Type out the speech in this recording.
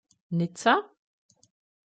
Nizza?